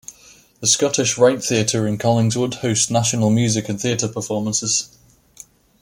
The Scottish Rite Theater in Collingswood hosts national music and theater performances.